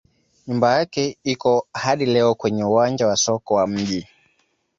Nyumba yake iko hadi leo kwenye uwanja wa soko wa mji.